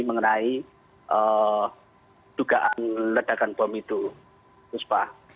mengenai dugaan ledakan bom itu puspa